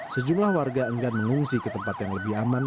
sejumlah warga enggan mengungsi ke tempat yang lebih aman